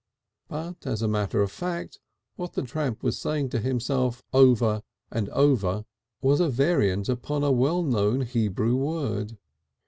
But as a matter of fact what the tramp was saying to himself over and over again was a variant upon a well known Hebrew word.